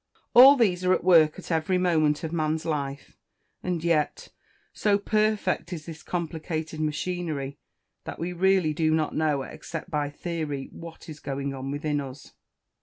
All these are at work at every moment of man's life; and yet, so perfect is this complicated machinery, that we really do not know, except by theory, what is going on within us.